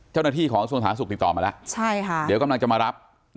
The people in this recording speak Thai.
เจ้าหน้าที่ของส่วนสาธารณสุขติดต่อมาแล้วเดี๋ยวกำลังจะมารับ